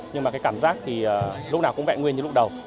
nhưng mà cái cảm giác thì lúc nào cũng vẹn nguyên như lúc đầu